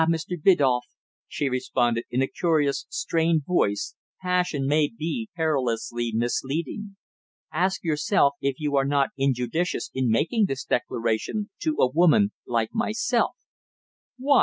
Mr. Biddulph," she responded in a curious, strained voice, "passion may be perilously misleading. Ask yourself if you are not injudicious in making this declaration to a woman like myself?" "Why?"